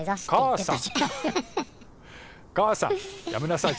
母さんやめなさい